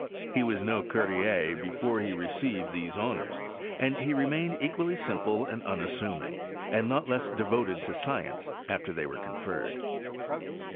He was no courtier before he received these honours, and he remained equally simple and un assuming, and not less devoted to science after thef ■were conferred.